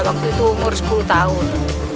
waktu itu umur sepuluh tahun